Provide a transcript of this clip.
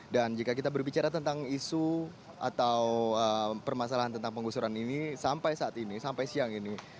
dan jika kita berbicara tentang isu atau permasalahan tentang penggusuran ini sampai saat ini sampai siang ini